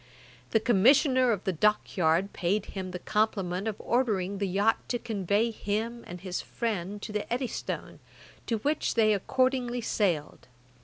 The Commissioner of the Dock yard paid him the compliment of ordering the yacht to convey him and his friend to the Eddystone, to which they accordingly sailed.